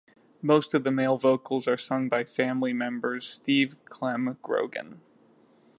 Most of the male vocals are sung by "family" member Steve "Clem" Grogan.